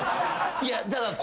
いやだから。